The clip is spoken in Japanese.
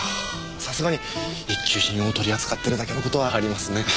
さすがに一級品を取り扱ってるだけの事はありますね。